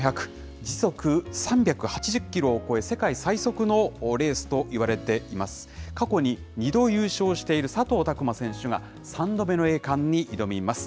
時速３８０キロを超え、世界最速のレースといわれています、過去に２度優勝している佐藤琢磨選手が３度目の栄冠に挑みます。